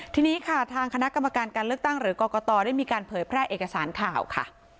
ทีนี้ค่ะทางคณะกรรมการการเลือกตั้งหรือกรกตได้มีการเผยแพร่เอกสารข่าวค่ะ